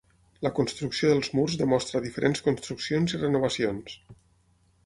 La construcció dels murs demostra diferents construccions i renovacions.